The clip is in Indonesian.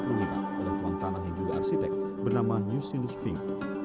oleh tuang tanah yang juga arsitek bernama niusinus ving